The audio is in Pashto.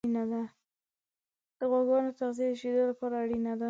د غواګانو تغذیه د شیدو لپاره اړینه ده.